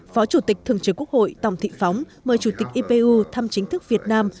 phó chủ tịch thường trực quốc hội tòng thị phóng mời chủ tịch ipu thăm chính thức việt nam